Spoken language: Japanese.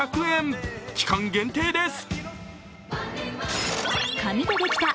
期間限定です。